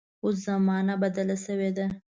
اوس زمانه بدله شوې ده.